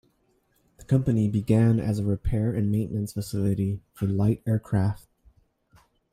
The company began as a repair and maintenance facility for light aircraft.